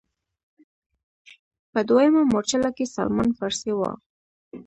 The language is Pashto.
په دویمه مورچله کې سلمان فارسي و.